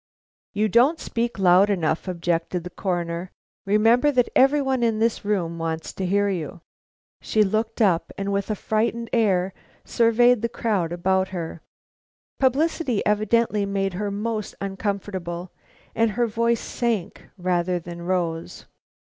"You don't speak loud enough," objected the Coroner; "remember that every one in this room wants to hear you." She looked up, and with a frightened air surveyed the crowd about her. Publicity evidently made her most uncomfortable, and her voice sank rather than rose.